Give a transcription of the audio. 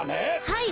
はい。